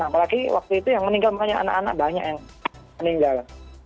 apalagi waktu itu yang meninggal banyak anak anak banyak yang meninggal